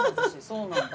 そうなんだ。